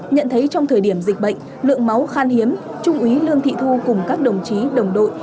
nhận thấy trong thời điểm dịch bệnh lượng máu khan hiếm trung úy lương thị thu cùng các đồng chí đồng đội